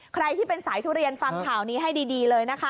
ใครที่เป็นสายทุเรียนฟังข่าวนี้ให้ดีเลยนะคะ